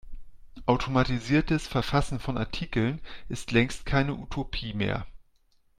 Automatisiertes Verfassen von Artikeln ist längst keine Utopie mehr.